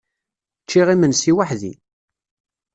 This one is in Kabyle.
Ččiɣ imensi weḥd-i.